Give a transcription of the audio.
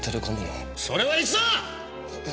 それはいつだ？